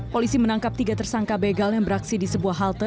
polisi menangkap tiga tersangka begal yang beraksi di sebuah halte